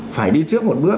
phải đi trước một bước